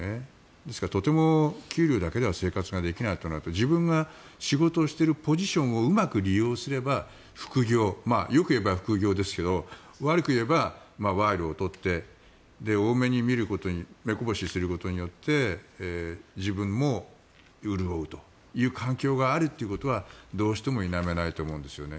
ですからとても給料だけでは生活できないとなると自分が仕事をしているポジションをうまく利用すればよく言えば副業ですが悪く言えば賄賂を取って多めに見ることに目こぼしすることによって自分も潤うという環境があるということはどうしても否めないと思うんですね。